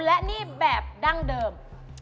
และนี่แบบดั้งเดิม